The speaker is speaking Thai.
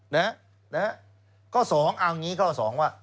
เดี๋ยวก็สองเอาอย่างนี้เขาสองว่า